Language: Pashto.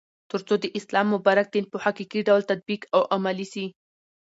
ترڅو د اسلام مبارک دين په حقيقي ډول تطبيق او عملي سي